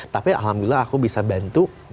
tapi alhamdulillah aku bisa bantu